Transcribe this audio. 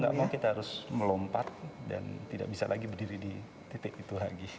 tidak mau kita harus melompat dan tidak bisa lagi berdiri di titik itu lagi